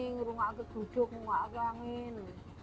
nggak ada tujuk nggak ada angin